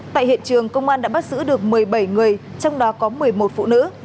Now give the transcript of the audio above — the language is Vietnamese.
tại hiện trường công an đã bắt giữ được một mươi bảy người trong đó có một mươi một phụ nữ